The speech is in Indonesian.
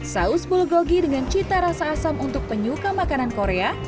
saus bulu gogi dengan cita rasa asam untuk penyuka makanan korea